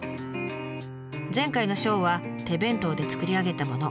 前回のショーは手弁当で作り上げたもの。